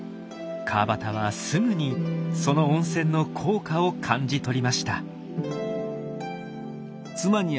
川端はすぐにその温泉の効果を感じ取りました。